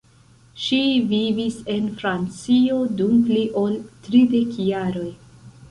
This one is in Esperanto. Ŝi vivis en Francio dum pli ol tridek jaroj.